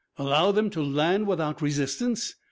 "Allow them to land without resistance?